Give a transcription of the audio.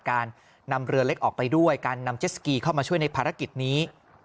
การนำเรือเล็กออกไปด้วยการนำเจสสกีเข้ามาช่วยในภารกิจนี้